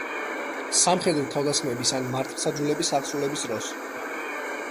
სამხედრო თავდასხმების ან მართლმსაჯულების აღსრულების დროს.